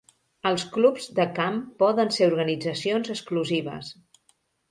Els clubs de camp poden ser organitzacions exclusives.